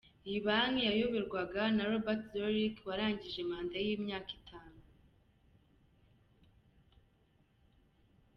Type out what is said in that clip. Iyi banki yayobirwaga na Robert Zoellick warangije manda ye y’imyaka itanu.